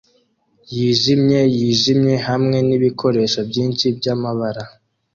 yijimye yijimye hamwe nibikoresho byinshi byamabara